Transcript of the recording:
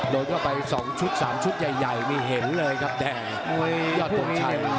โดนเข้าไปสองชุดสามชุดใหญ่มีเห็นเลยครับแดยอดคนชัย